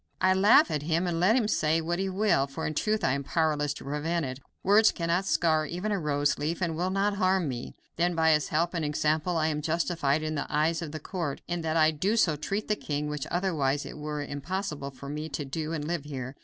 I laugh at him and let him say what he will, for in truth I am powerless to prevent it. Words cannot scar even a rose leaf, and will not harm me. Then, by his help and example I am justified in the eyes of the court in that I so treat the king, which otherwise it were impossible for me to do and live here.